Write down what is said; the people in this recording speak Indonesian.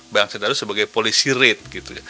banyak yang terlalu sebagai policy rate